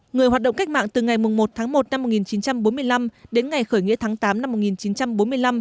người hoạt động cách mạng từ ngày một tháng một năm một nghìn chín trăm bốn mươi năm đến ngày khởi nghĩa tháng tám năm một nghìn chín trăm bốn mươi năm